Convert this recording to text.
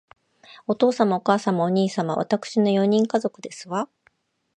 お父様、お母様、お兄様、わたくしの四人家族ですわ